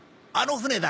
船だ。